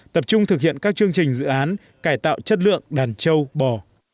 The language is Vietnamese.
tập trung thực hiện các chương trình dự án cải tạo chất lượng đàn châu bò